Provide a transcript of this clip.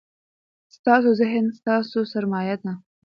ستاسو ذهن ستاسو سرمایه ده.